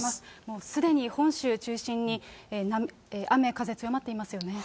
もうすでに本州中心に雨、風、強まっていますよね。